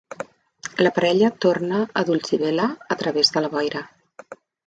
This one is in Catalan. La parella torna a Dulcibella a través de la boira.